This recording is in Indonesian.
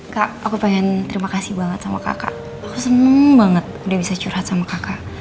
kak aku pengen terima kasih banget sama kakak aku seneng banget udah bisa curhat sama kakak